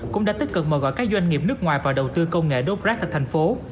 cũng đã tích cực mời gọi các doanh nghiệp nước ngoài vào đầu tư công nghệ đốt rác tại thành phố